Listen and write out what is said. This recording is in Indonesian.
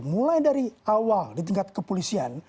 mulai dari awal di tingkat kepolisian